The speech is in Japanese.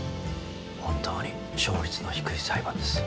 本当に勝率の低い裁判です。